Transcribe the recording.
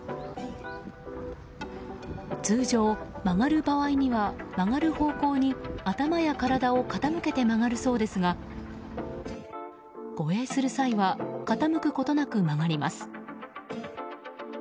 通常、曲がる場合には曲がる方向に頭や体を傾けて曲がるそうですが護衛する際は傾くことなく曲がります。